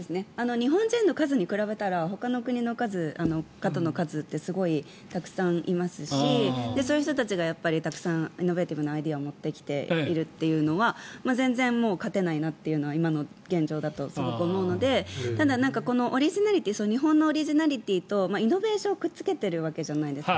日本人の数に比べたらほかの国の方の数ってすごいたくさんいますしそういう人たちがたくさんイノベーティブなアイデアを持ってきているというのは全然、勝てないなっていうのは今の現状だとすごく思うのでただ、オリジナリティー日本のオリジナリティーとイノベーションをくっつけているわけじゃないですか。